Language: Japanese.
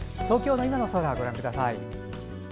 東京の今の空をご覧ください。